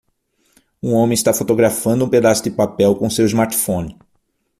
Um homem está fotografando um pedaço de papel com seu smartphone.